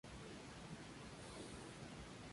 Su capital es el centro poblado de La Arena.